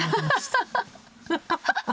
アハハハ！